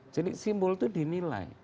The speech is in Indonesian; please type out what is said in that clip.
jadi simbol itu dinilai